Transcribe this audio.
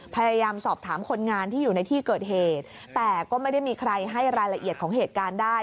พยายามสอบถามคนงานที่อยู่ในที่เกิดเหตุแต่ก็ไม่ได้มีใครให้รายละเอียดของเหตุการณ์ได้